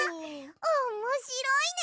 おもしろいね！